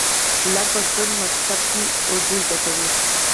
لر پښتون ښوونځي کې اردو زده کوي.